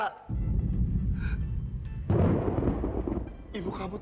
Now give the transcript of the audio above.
aku yang membuat ibu kamu menderita